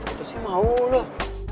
itu sih mau loh